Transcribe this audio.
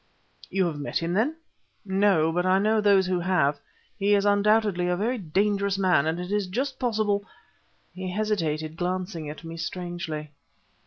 "You have met him, then?" "No; but I know those who have. He is undoubtedly a very dangerous man, and it is just possible " He hesitated, glancing at me strangely.